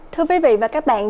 thưa quý vị và các bạn